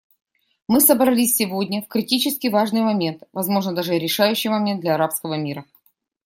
Мы собрались сегодня в критически важный момент — возможно, даже решающий момент — для арабского мира.